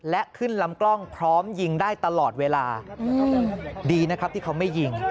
และขึ้นลำกล้องพร้อมยิงได้ตลอดเวลาดีนะครับที่เขาไม่ยิง